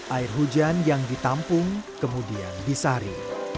air hujan yang ditampung kemudian disaring